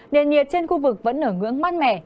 nền nhiệt trên khu vực vẫn ở ngưỡng mát mẻ